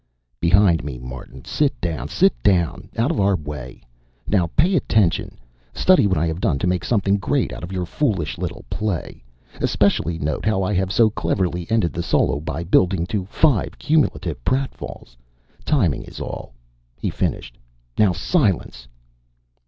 "Behind me, Martin. Sit down, sit down. Out of our way. Now! Pay attention. Study what I have done to make something great out of your foolish little play. Especially note how I have so cleverly ended the solo by building to five cumulative pratt falls. Timing is all," he finished. "Now SILENCE!"